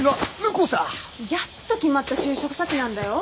やっと決まった就職先なんだよ？